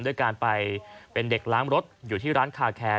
ด้วยการไปเป็นเด็กล้างรถอยู่ที่ร้านคาแคร์